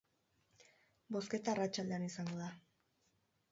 Bozketa arratsaldean izango da.